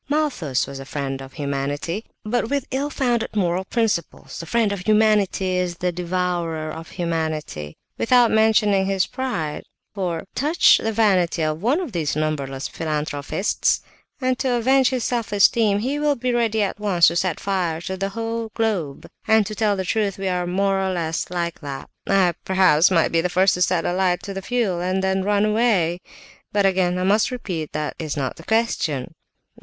"Malthus was a friend of humanity, but, with ill founded moral principles, the friend of humanity is the devourer of humanity, without mentioning his pride; for, touch the vanity of one of these numberless philanthropists, and to avenge his self esteem, he will be ready at once to set fire to the whole globe; and to tell the truth, we are all more or less like that. I, perhaps, might be the first to set a light to the fuel, and then run away. But, again, I must repeat, that is not the question."